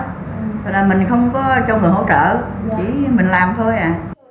rồi là mình không có cho người hỗ trợ chỉ mình làm thôi à